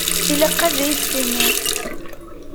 Ilaq ad yi-d-tiniḍ.